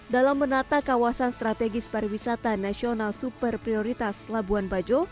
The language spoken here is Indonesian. dalam menata kawasan strategis pariwisata nasional super prioritas labuan bajo